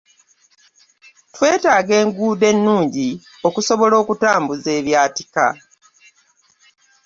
Twetaaga enguudo ennungi okusobola okutambuza ebyatika.